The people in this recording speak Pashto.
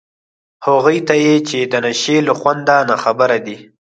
هغو ته چي د نشې له خونده ناخبر دي